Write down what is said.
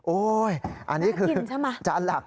โอ๊ยมากินใช่ไหม